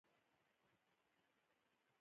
د توپ توغندی دلته نښتې وه، موږ لا همالته ولاړ وو.